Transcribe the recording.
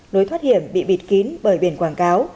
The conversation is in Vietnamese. lối thoát hiểm bị bịt kín bởi biển quảng cáo